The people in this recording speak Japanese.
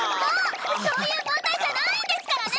そういう問題じゃないんですからね！